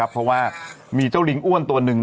เพราะว่ามีเจ้าลิงอ้วนตัวหนึ่ง